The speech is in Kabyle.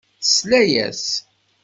Tesla-as.